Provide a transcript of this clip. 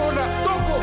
bapak bapak bapak